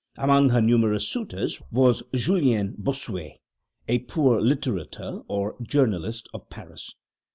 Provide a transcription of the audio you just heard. Among her numerous suitors was Julien Bossuet, a poor litterateur, or journalist of Paris.